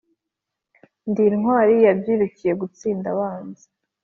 Ndi intwari yabyirukiye gutsinda abanzi